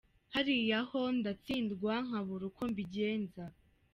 Hariya ho ndatsindwa nkabura uko mbigenza.